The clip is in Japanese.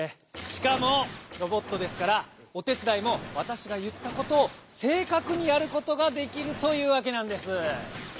しかもロボットですからおてつだいもわたしがいったことを正かくにやることができるというわけなんです！